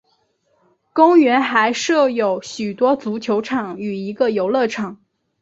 公园还设有许多足球场与一个游乐场。